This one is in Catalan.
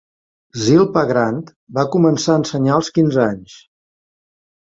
Zilpah Grant va començar a ensenyar als quinze anys.